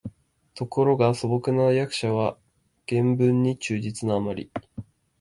ところが素朴な訳者は原文に忠実なあまり、